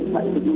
nah itu juga